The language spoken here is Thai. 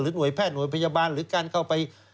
หน่วยแพทย์หน่วยพยาบาลหรือการเข้าไป